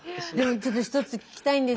ちょっと１つ聞きたいんですけど。